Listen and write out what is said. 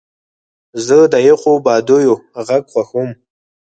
زه د یخو بادیو غږ خوښوم.